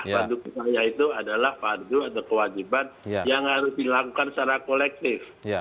fardu tifayah itu adalah fardu atau kewajiban yang harus dilakukan secara kolektif